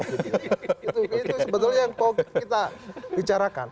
itu sebetulnya yang mau kita bicarakan